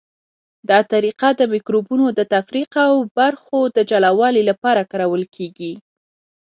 دا طریقه د مکروبونو د تفریق او برخو د جلاوالي لپاره کارول کیږي.